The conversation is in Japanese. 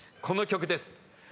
この曲です。